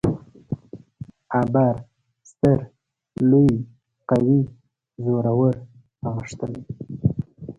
ابر: ستر ، لوی ، قوي، زورور، غښتلی